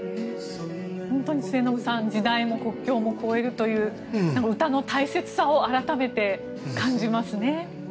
本当に末延さん時代も国境も超えるという歌の大切さを改めて感じますね。